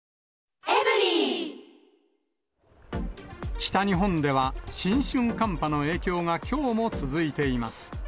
北日本では、新春寒波の影響がきょうも続いています。